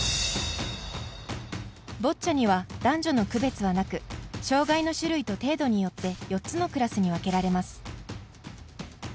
ボッチャには男女の区別はなく障がいの種類と程度によって４つのクラスに分けられます。